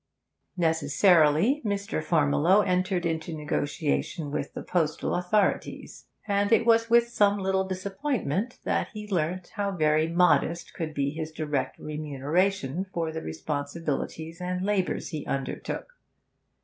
Necessarily, Mr. Farmiloe entered into negotiation with the postal authorities; and it was with some little disappointment that he learnt how very modest could be his direct remuneration for the responsibilities and labours he undertook.